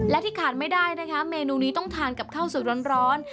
และที่ขาดไม่ได้นะคะเมนูนี้ต้องทานกับข้าวสดร้อน